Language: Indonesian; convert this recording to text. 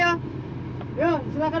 sampai jumpa barn